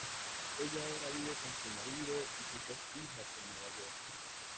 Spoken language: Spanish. Ella ahora vive con su marido y sus dos hijas en Nueva York.